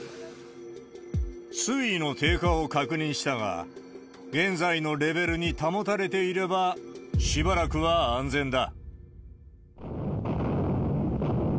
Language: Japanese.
水位の低下を確認したが、現在のレベルに保たれていれば、しばらくは安全だ。